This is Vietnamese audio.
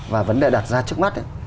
và vấn đề đặt ra trước mắt